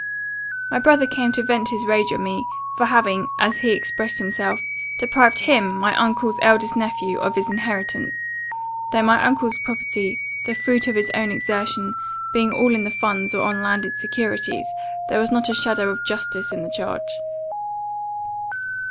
My brother came to vent his rage on me, for having, as he expressed himself, 'deprived him, my uncle's eldest nephew, of his inheritance;' though my uncle's property, the fruit of his own exertion, being all in the funds, or on landed securities, there was not a shadow of justice in the charge.